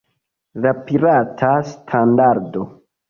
La pirata standardo!